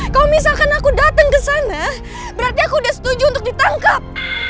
kalo misalkan aku dateng kesana berarti aku udah setuju untuk ditangkap